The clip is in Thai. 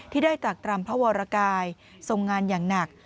ที่ได้จากตรำพระวรกายทรงงานอย่างหนัก